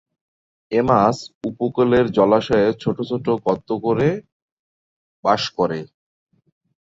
এ মাছ উপকূলের জলাশয়ে ছোট ছোট গর্ত করে বাস করে।